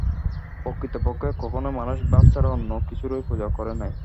প্রকৃতপক্ষে কখনই মানুষ ভাব ছাড়া অন্য কিছুরই পূজা করে নাই।